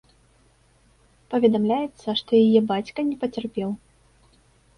Паведамляецца, што яе бацька не пацярпеў.